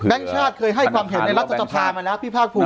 ชาติเคยให้ความเห็นในรัฐสภามาแล้วพี่ภาคภูมิ